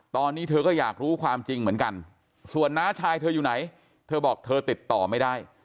ตอนนี้เธอก็อยากรู้ความจริงเหมือนกันส่วนน้าชายเธออยู่ไหนเธอบอกเธอติดต่อไม่ได้